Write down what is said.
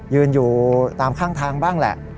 ยืนอยู่ตามข้างทางบ้างแหละ